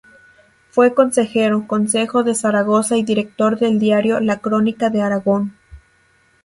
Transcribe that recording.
Fue consejero Consejo de Zaragoza y director del diario "La Crónica de Aragón".